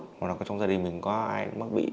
hoặc là có trong gia đình mình có ai mắc bị